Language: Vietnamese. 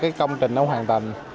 cái công trình nó hoàn thành